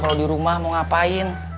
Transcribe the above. kalau dirumah mau ngapain